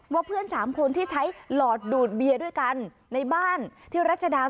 ว่าเพื่อนสามคนที่ใช้หลอดดูดเบียร์ด้วยกันในบ้านที่รัชดา